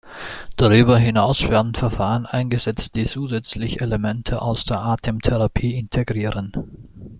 Darüber hinaus werden Verfahren eingesetzt, die zusätzlich Elemente aus der Atemtherapie integrieren.